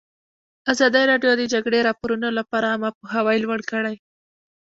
ازادي راډیو د د جګړې راپورونه لپاره عامه پوهاوي لوړ کړی.